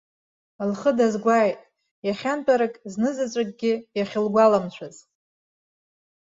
Лхы дазгәааит, иахьантәарак знызаҵәыкгьы иахьылгәаламшәаз.